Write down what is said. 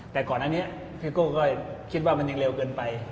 แต่ก่อนอันนี้พี่โก้ก็คิดว่ามันยังเร็วเกินไป